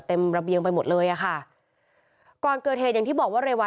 ระเบียงไปหมดเลยอ่ะค่ะก่อนเกิดเหตุอย่างที่บอกว่าเรวัต